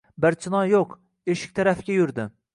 Barchinoy yo‘q, eshik tarafga yurdi.